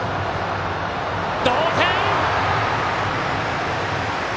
同点！